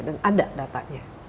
dan ada datanya